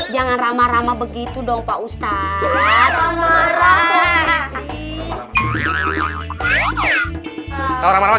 jangan rama rama begitu dong pak ustaz